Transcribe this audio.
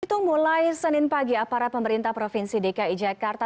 itu mulai senin pagi aparat pemerintah provinsi dki jakarta